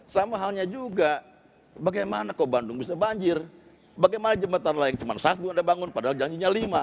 sama halnya juga bagaimana kok bandung bisa banjir bagaimana jembatan layak cuma saat belum ada bangun padahal janjinya lima